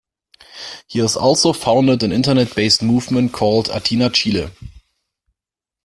He has also founded an Internet-based movement called "Atina Chile".